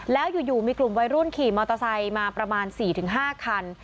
แล้วอยู่มีกลุ่มวัยรุ่นขี่มอเตอร์ไซค์มาประมาณ๔๕คัน